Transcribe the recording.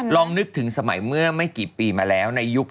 ลองนึกถึงสมัยเมื่อไม่กี่ปีมาแล้วในยุค๙